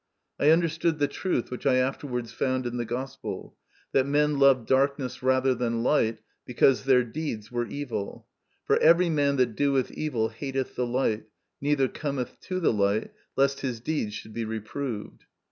I understood the truth which I afterwards found in the Gospel :" That men loved darkness rather than light, because their deeds were evil. For every man that doeth evil hateth the light, neither cometh to the light, lest his deeds should be reproved."